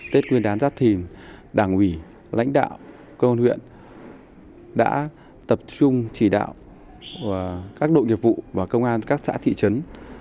tết nguyên đán giáp thìm đảng ủy lãnh đạo công an huyện đã tập trung chỉ đạo các đội nghiệp vụ và công an các xã thị trấn